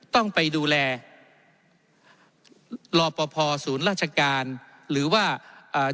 ต้องไปดูแลรอปภศูนย์ราชการหรือว่าอ่า